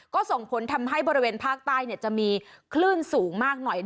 ก็ส่งผลทำให้บริเวณภาคใต้จะมีคลื่นสูงมากหน่อย